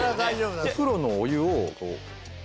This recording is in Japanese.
お風呂のお湯を。